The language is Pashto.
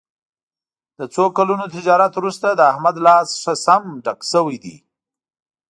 له څو کلونو تجارت ورسته د احمد لاس ښه سم ډک شوی دی.